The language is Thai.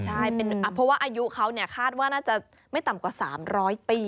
ใช่เพราะว่าอายุเขาคาดว่าน่าจะไม่ต่ำกว่า๓๐๐ปี